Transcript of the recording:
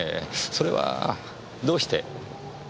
それはどうして？